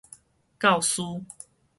教師